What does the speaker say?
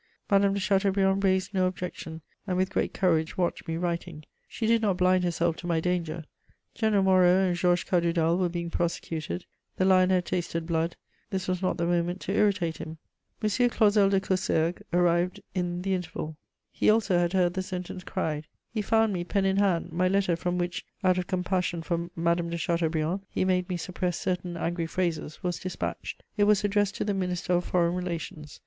Madame de Chateaubriand raised no objection, and with great courage watched me writing. She did not blind herself to my danger: General Moreau and Georges Cadoudal were being prosecuted; the lion had tasted blood, this was not the moment to irritate him. M. Clausel de Coussergues arrived in the interval; he also had heard the sentence cried. He found me pen in hand: my letter, from which, out of compassion for Madame de Chateaubriand, he made me suppress certain angry phrases, was despatched; it was addressed to the Minister of Foreign Relations.